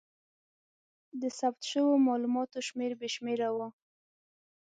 د ثبت شوو مالوماتو شمېر بې شمېره و.